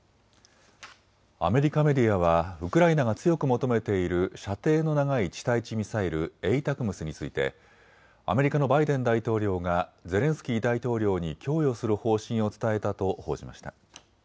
アメリカメディアはウクライナが強く求めている射程の長い地対地ミサイル、ＡＴＡＣＭＳについてアメリカのバイデン大統領がゼレンスキー大統領に供与する方針を伝えたと報じました。